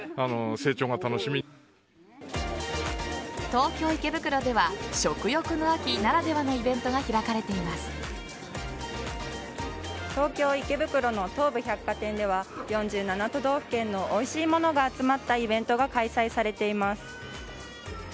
東京・池袋では食欲の秋ならではのイベントが東京・池袋の東武百貨店では４７都道府県のおいしいものが集まったイベントが開催されています。